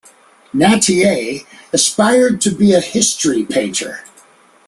Nattier aspired to be a history painter.